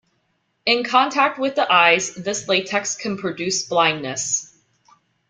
In contact with the eyes this latex can produce blindness.